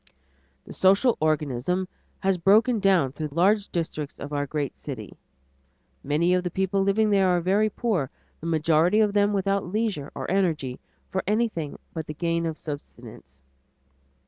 The social organism has broken down through large districts of our great cities. Many of the people living there are very poor, the majority of them without leisure or energy for anything but the gain of subsistence.